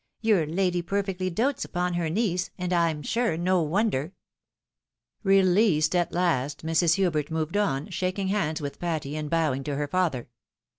Your lady perfectly dotes upon her niece, and, I'm sure, no wonder !" Released at last, Mrs. Hubert moved on, shaking hands with Patty, and bowing to her father.